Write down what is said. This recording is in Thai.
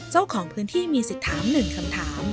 เจ้าของพื้นที่มีสิทธิ์ถามหนึ่งคำถาม